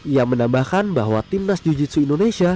ia menambahkan bahwa timnas jiu jitsu indonesia